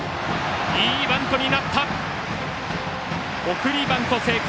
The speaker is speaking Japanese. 送りバント成功。